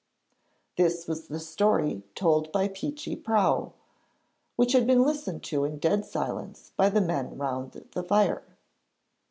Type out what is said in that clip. This was the story told by Peechy Prauw, which had been listened to in dead silence by the men round the fire.